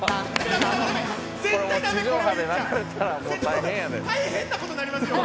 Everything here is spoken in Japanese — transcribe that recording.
大変なことになりますよ。